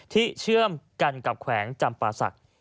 เชื่อมกันกับแขวงจำป่าศักดิ์